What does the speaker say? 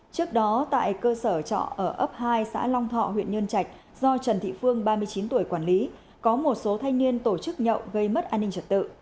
trước đó tại cơ sở trọ ở ấp hai xã long thọ huyện nhân trạch do trần thị phương ba mươi chín tuổi quản lý có một số thanh niên tổ chức nhậu gây mất an ninh trật tự